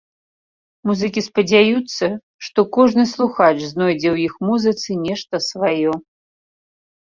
Музыкі спадзяюцца, што кожны слухач знойдзе ў іх музыцы нешта сваё.